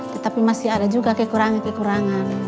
tetapi masih ada juga kekurangan kekurangan